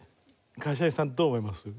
柏木さんどう思います？